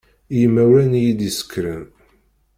I yimawlan i yi-d-isekren.